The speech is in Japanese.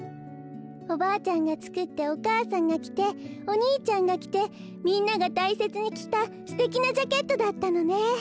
おばあちゃんがつくってお母さんがきてお兄ちゃんがきてみんながたいせつにきたすてきなジャケットだったのね。